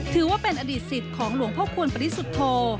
ถือว่าเป็นอดีตสิทธิ์ของหลวงพ่อควรปฤษฎโธ